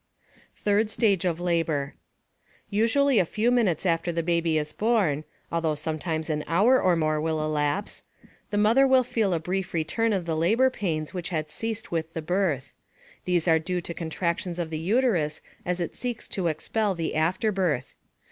] THIRD STAGE OF LABOR Usually a few minutes after the baby is born (although sometimes an hour or more will elapse) the mother will feel a brief return of the labor pains which had ceased with the birth. These are due to contractions of the uterus as it seeks to expel the afterbirth.